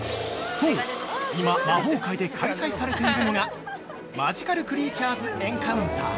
◆そう、いま魔法界で開催されているのが、「マジカル・クリーチャーズ・エンカウンター